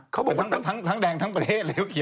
เขาบอกว่าทั้งแดงทั้งประเทศเลย